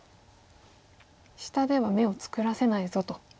「下では眼を作らせないぞ」と。